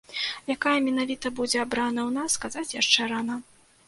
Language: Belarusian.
Якая менавіта будзе абраная ў нас, казаць яшчэ рана.